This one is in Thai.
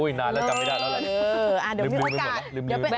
อุ้ยนานแล้วจำไม่ได้น่ะ